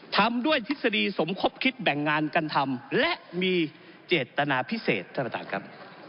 ทำด้วยทฤษฎีสมคบคิดแบ่งงานกันทำและมีเจตนาพิเศษท่านประธานครับ